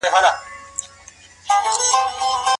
د هغه په کلام کې د تصوف او عرفان رنګ ډېر څرګند دی.